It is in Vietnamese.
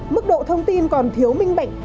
mức độ thông tin còn thiếu minh bạch